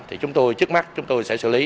thì chúng tôi trước mắt chúng tôi sẽ xử lý